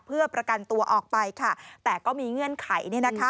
เพื่อประกันตัวออกไปค่ะแต่ก็มีเงื่อนไข